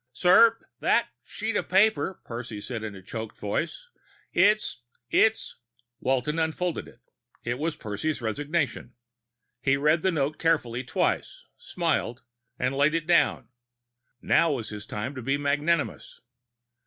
"Sir, that sheet of paper ..." Percy said in a choked voice. "It's it's " Walton unfolded it. It was Percy's resignation. He read the note carefully twice, smiled, and laid it down. Now was his time to be magnanimous.